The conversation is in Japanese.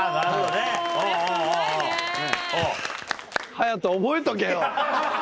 勇斗覚えとけよ！